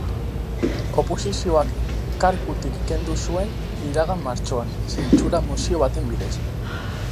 Oposizioak kargutik kendu zuen iragan martxoan, zentsura mozio baten bidez.